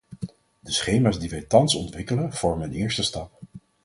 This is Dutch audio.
De schema's die wij thans ontwikkelen, vormen een eerste stap.